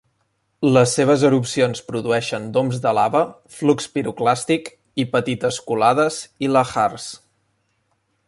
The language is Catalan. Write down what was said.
Les seves erupcions produeixen doms de lava, flux piroclàstic i petites colades i lahars.